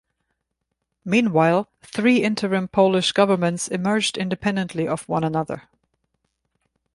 Meanwhile, three interim Polish governments emerged independently of one another.